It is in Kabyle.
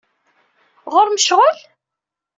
Ɣer-m ccɣel?